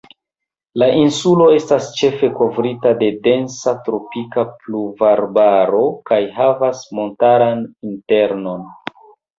La insulo estas ĉefe kovrita de densa tropika pluvarbaro kaj havas montaran internon.